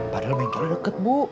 padahal bengkelnya deket bu